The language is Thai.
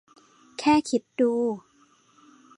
แค่คิดดู !